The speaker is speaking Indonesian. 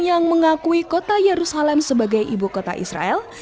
yang mengakui kota yerusalem sebagai ibu kota israel